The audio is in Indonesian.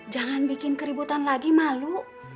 jangan bikin keributan lagi malu